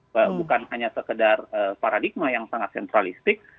bukan hanya sekedar paradigma yang sangat sentralistik